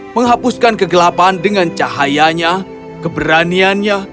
menghapuskan kegelapan dengan cahayanya keberaniannya